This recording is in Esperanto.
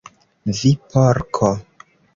"Vi Porko!"